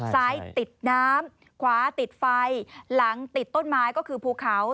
ติดน้ำขวาติดไฟหลังติดต้นไม้ก็คือภูเขา